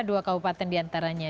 dua kabupaten di antaranya